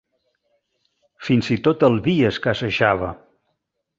Fins i tot el vi escassejava